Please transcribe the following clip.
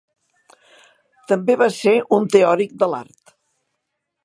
També va ser un teòric de l'art.